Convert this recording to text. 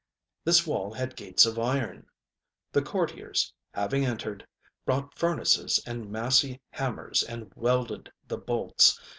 This wall had gates of iron. The courtiers, having entered, brought furnaces and massy hammers and welded the bolts.